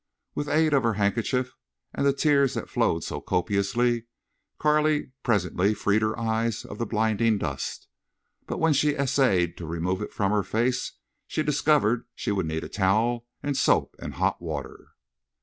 With aid of her handkerchief, and the tears that flowed so copiously, Carley presently freed her eyes of the blinding dust. But when she essayed to remove it from her face she discovered she would need a towel and soap and hot water.